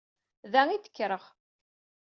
Da i d-kkreɣ.